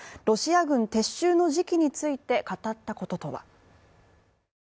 ロシア軍撤収の時期について語ったこととは。